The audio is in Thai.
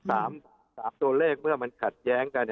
สามตัวเลขเมื่อมันขัดแย้งกัน